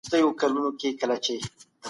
څنګه یو ښه سهارنی پیل ټوله ورځ روښانه کوي؟